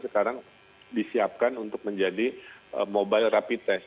sekarang disiapkan untuk menjadi mobile rapid test